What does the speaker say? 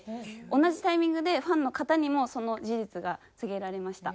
同じタイミングでファンの方にもその事実が告げられました。